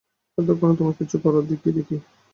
এক্ষণে তোমরা কিছু কর দিকি দেখি।